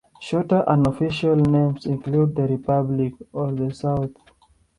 Shorter unofficial names include "the Republic" or "the South".